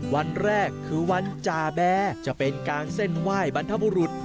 วันแรกคือวันจาแบร์จะเป็นการเส้นไหว้บรรพบุรุษ